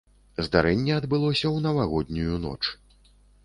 Здарэнне адбылося ў навагоднюю ноч.